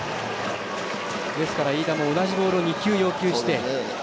ですから飯田も同じボールを２球要求して。